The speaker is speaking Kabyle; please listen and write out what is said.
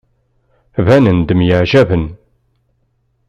Banen-d myeɛjaben.